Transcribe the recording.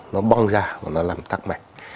nó bong ra và nó làm tắc mạch